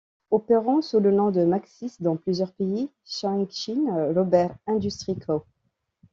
Opérant sous le nom de Maxxis dans plusieurs pays, Cheng Shin Rubber Industry Co.